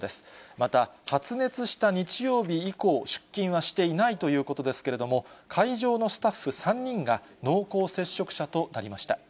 また、発熱した日曜日以降、出勤はしていないということですけれども、会場のスタッフ３人が、濃厚接触者となりました。